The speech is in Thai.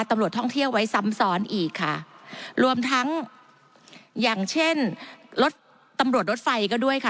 ตำรวจท่องเที่ยวไว้ซ้ำซ้อนอีกค่ะรวมทั้งอย่างเช่นรถตำรวจรถไฟก็ด้วยค่ะ